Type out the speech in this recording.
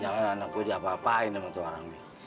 jangan jangan anak gue diapa apain sama tu orang ini